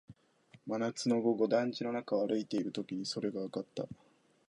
真夏の午後、団地の中を歩いているときにそれがわかった